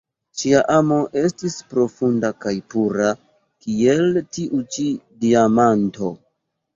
Ŝia amo estis profunda kaj pura, kiel tiu ĉi diamanto.